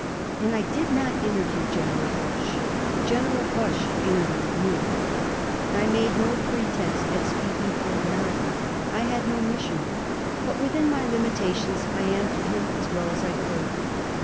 And I did not interview General Foch. General Foch interviewed me. I made no pretence at speaking for America. I had no mission. But within my limitations I answered him as well as I could.